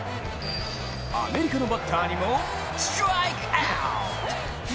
アメリカのバッターにもストライクアウト！